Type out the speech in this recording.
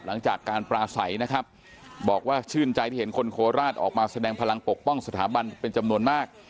หลังจากการปลาใสนะครับบอกว่าชื่นใจที่เห็นคนโคราชออกมาแสดงพลังปกป้องสถาบันเป็นจำนวนมาก